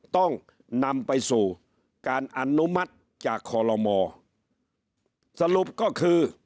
ต้องนำไปสู่การอนุมัติจากคอลโลมสรุปก็คือ